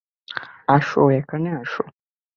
আসো, এখানে আসো।